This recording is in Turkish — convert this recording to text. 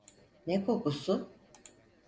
Ne kokusu?